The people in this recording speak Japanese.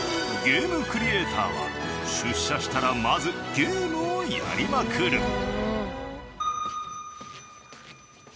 ゲームクリエイターは出社したらまずゲームをやりまくる。